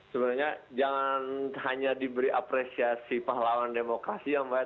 sebenarnya jangan hanya diberi apresiasi pahlawan demokrasi ya mbak